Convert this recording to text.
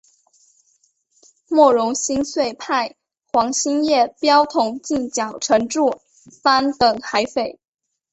莫荣新遂派黄兴业标统进剿陈祝三等海匪。